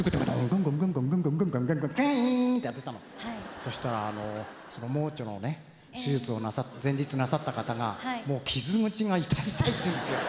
そしたらあの盲腸のね手術を前日なさった方がもう傷口が痛い痛いって言うんですよ。